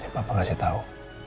papa kasih tau